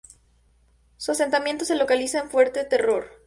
Su asentamiento se localiza en Fuerte Terror.